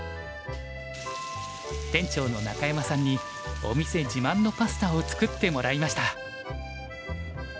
店長の中山さんにお店自慢のパスタを作ってもらいました。